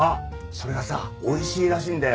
それがさおいしいらしいんだよ